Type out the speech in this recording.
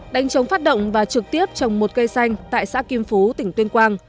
đánh trống phát động và trực tiếp trồng một cây xanh tại xã kim phú tỉnh tuyên quang